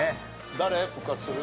誰復活する？